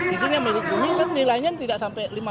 isinya milik zumi kan nilainya tidak sampai lima